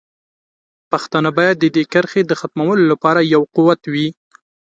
پښتانه باید د دې کرښې د ختمولو لپاره یو قوت وي.